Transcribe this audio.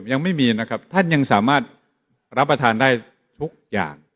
ยังไม่มีนะครับท่านยังสามารถรับประทานได้ทุกอย่าง